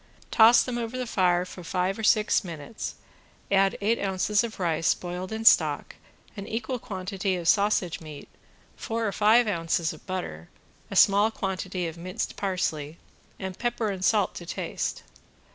Toss them over the fire for five or six minutes, add eight ounces of rice boiled in stock, an equal quantity of sausage meat, four or five ounces of butter, a small quantity of minced parsley, and pepper and salt to taste.